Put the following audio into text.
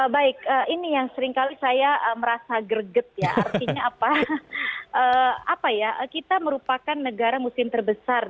baik ini yang seringkali saya merasa greget ya artinya apa ya kita merupakan negara muslim terbesar